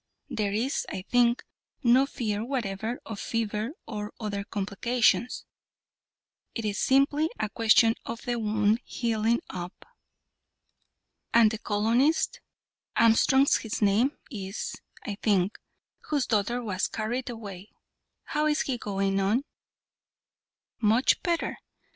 There is, I think, no fear whatever of fever or other complications. It is simply a question of the wound healing up." "And the colonist Armstrong his name is, I think, whose daughter was carried away how is he going on?" "Much better.